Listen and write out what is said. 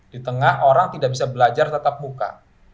di tengah orang tidak bisa belajar tetap muka